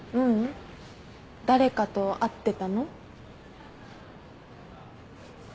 誰かと会ってたの？